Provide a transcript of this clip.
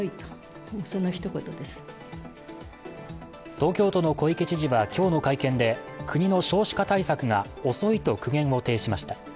東京都の小池知事は今日の会見で国の少子化対策が遅いと苦言を呈しました。